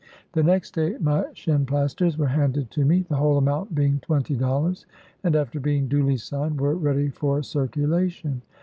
"The next day, my ' shin plasters ' were handed to me. the whole amount being twenty dollars, and, after being duly signed, were ready for circulation.